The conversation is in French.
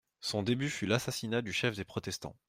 Son début fut l'assassinat du chef des protestants.